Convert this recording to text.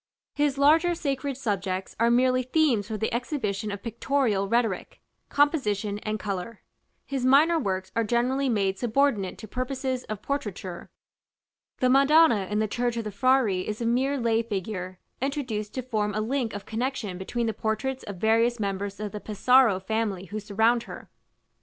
His larger sacred subjects are merely themes for the exhibition of pictorial rhetoric, composition and color. His minor works are generally made subordinate to purposes of portraiture. The Madonna in the church of the Frari is a mere lay figure, introduced to form a link of connexion between the portraits of various members of the Pesaro family who surround her.